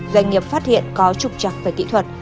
doanh nghiệp phát hiện có trục trặc về kỹ thuật